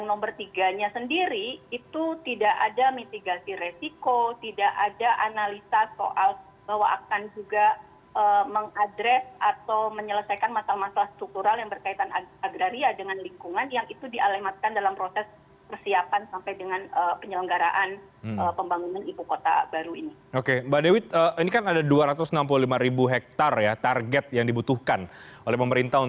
pembaruan agraria pembaruan agraria